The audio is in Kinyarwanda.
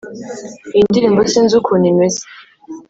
Iyi ndirimbo sinzi ukuntu imeze